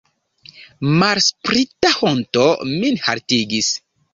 Malsprita honto min haltigis.